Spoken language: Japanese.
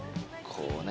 こうね